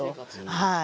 はい。